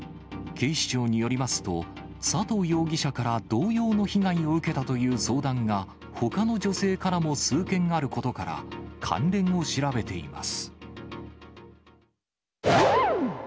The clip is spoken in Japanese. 警視庁によりますと、佐藤容疑者から同様の被害を受けたという相談が、ほかの女性からも数件あることから、関連を調べています。